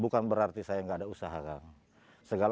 bukan berarti saya nggak ada usaha kang